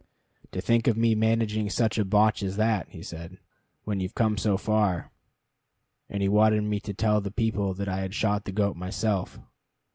"To think of me managing such a botch as that," he said, "when you've come so far"; and he wanted me to tell the people that I had shot the goat myself.